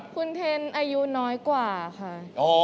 คุณเทนอายุน้อยกว่าค่ะ